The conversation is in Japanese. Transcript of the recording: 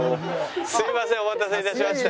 すいませんお待たせ致しまして。